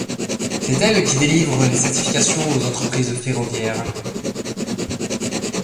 C'est elle qui délivre les certifications aux entreprises ferroviaires.